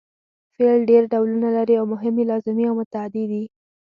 فعل ډېر ډولونه لري او مهم یې لازمي او متعدي دي.